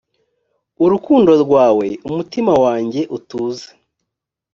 urukundo rwawe umutima wange utuze